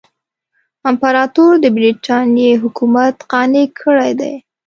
امپراطور د برټانیې حکومت قانع کړی دی.